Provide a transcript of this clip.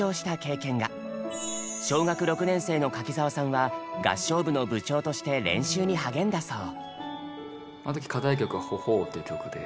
小学６年生の柿澤さんは合唱部の部長として練習に励んだそう。